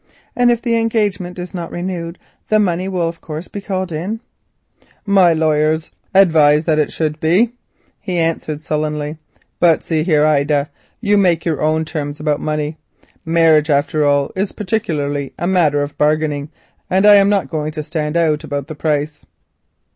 "And if the engagement is not renewed the money will of course be called in?" "My lawyers advise that it should be," he answered sullenly; "but see here, Ida, you may make your own terms about money. Marriage, after all, is very much a matter of bargaining, and I am not going to stand out about the price."